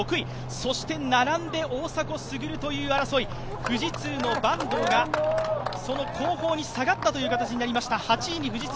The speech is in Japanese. そして並んで大迫傑という争い、富士通の坂東がその後方に下がった形になりました。